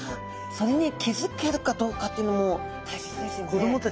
それに気付けるかどうかというのも大切ですよね。